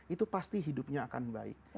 itu pasti hidupnya akan baik